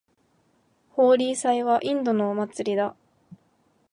ホーリー祭はインドのお祭りだ。